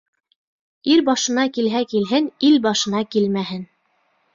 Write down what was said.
Ир башына килһә килһен, ил башына килмәһен.